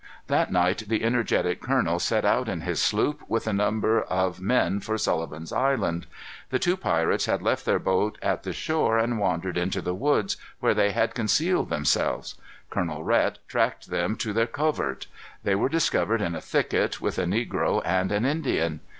That night the energetic colonel set out in his sloop, with a number of men for Sullivan's Island. The two pirates had left their boat at the shore and wandered into the woods, where they had concealed themselves. Colonel Rhet tracked them to their covert. They were discovered in a thicket, with a negro and an Indian.